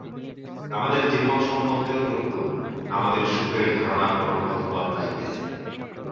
আমাদের জীবন সম্বন্ধেও তদ্রূপ, আমাদের সুখের ধারণা ক্রমাগত বদলাইতেছে।